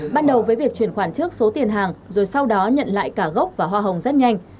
ban đầu với việc chuyển khoản trước số tiền hàng rồi sau đó nhận lại cả gốc và hoa hồng rất nhanh